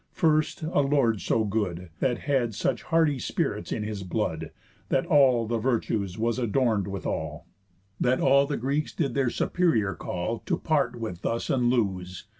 First, a lord so good, That had such hardy spirits in his blood, That all the virtues was adorn'd withall, That all the Greeks did their superior call, To part with thus, and lose!